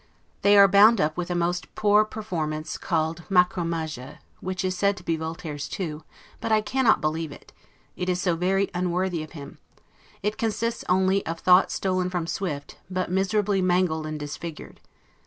They are bound up with a most poor performance called 'Micromegas', which is said to be Voltaire's too, but I cannot believe it, it is so very unworthy of him; it consists only of thoughts stolen from Swift, but miserably mangled and disfigured.